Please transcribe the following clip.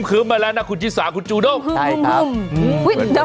แอบคื้มมาแล้วน่ะคุณจิสาคุณจูโด่งคืมคืมเดี๋ยว